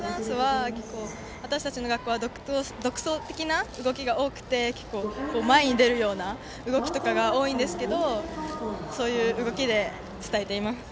私たちの学校は独創的な動きが多くて前に出るような動きとかが多いんですけどそういう動きで伝えています。